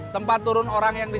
tempat turun orang yang di